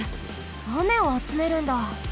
あめをあつめるんだ。